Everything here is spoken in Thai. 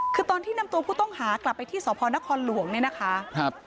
คือตอนที่นำตัวผู้ต้องหากลับไปที่สนครหลวงนะคะ